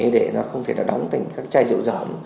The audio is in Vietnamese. để nó không thể nó đóng thành các chai rượu giỏm